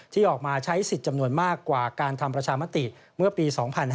ที่ออกมาใช้สิทธิ์จำนวนมากกว่าการทำประชามติเมื่อปี๒๕๕๙